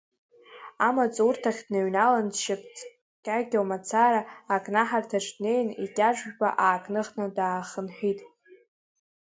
Амаҵурҭахь дныҩналан, дшьапҵыркьакьо мацара, акнаҳарҭаҿ днеин, икьаҿ жәпа аакныхны, даахынҳәит.